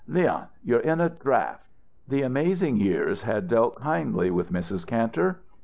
"Leon, you're in a draft." The amazing years had dealt kindly with Mrs. Kantor.